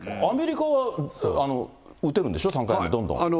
アメリカは打てるんでしょ、３回目、どんどん。